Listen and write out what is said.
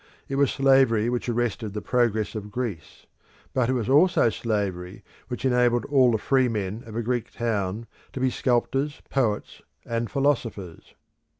It was slavery which arrested the progress of Greece; but it was also slavery which enabled all the free men of a Greek town to be sculptors, poets, and philosophers.